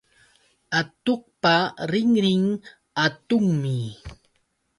Atuqpa rinrin hatunmi